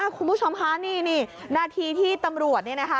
อ่าคุณผู้ชมคะนี่นี่หน้าทีที่ตำรวจนี่นะคะ